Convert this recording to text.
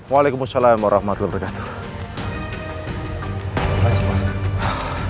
waalaikumsalam warahmatullahi wabarakatuh